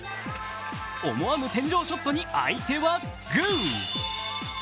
思わぬ天井ショットに相手はグー！